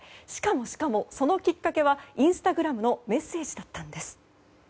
しかも、そのきっかけはインスタグラムのメッセージだったんです。